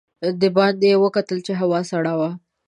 د باندې یې وکتل چې هوا سړه وه.